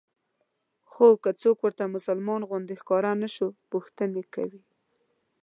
خو که څوک ورته مسلمان غوندې ښکاره نه شو پوښتنې کوي.